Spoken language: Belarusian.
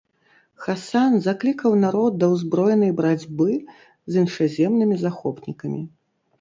Хасан заклікаў народ да ўзброенай барацьбы з іншаземнымі захопнікамі.